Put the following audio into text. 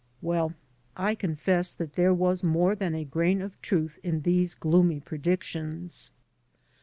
WeU, I confess that there was more than a grain of truth in these gloomy predictions.